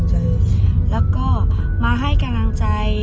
ดิ้งทางดิ้งทาง